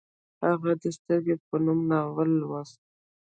هغې د سترګې په نوم ناول لوست